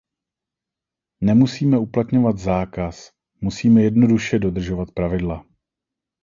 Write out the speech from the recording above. Nemusíme uplatňovat zákaz; musíme jednoduše dodržovat pravidla.